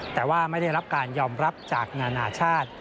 แต่ว่าไม่ได้รับการยอมรับจากนานาชาติ